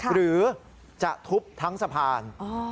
หรือจะทุบทั้งสะพาน